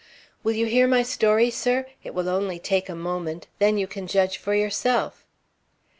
"Will you hear my story, sir? It will take only a moment. Then you can judge for yourself."